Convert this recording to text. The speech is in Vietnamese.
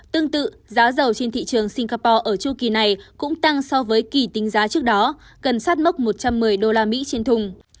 tương tự giá dầu trên thị trường singapore ở chu kỳ này cũng tăng so với kỳ tính giá trước đó cần sát mốc một trăm một mươi usd trên thùng